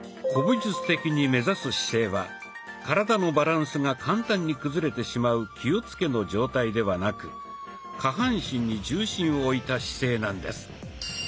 古武術的に目指す姿勢は体のバランスが簡単に崩れてしまう「気をつけ」の状態ではなく下半身に重心を置いた姿勢なんです。